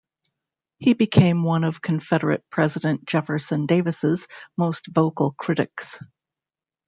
He became one of Confederate President Jefferson Davis's most vocal critics.